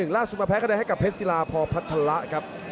ล่าสุดมาแพ้คะแนนให้กับเพชรศิลาพอพัฒระครับ